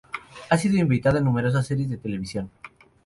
Ha sido invitada en numerosas series de televisión.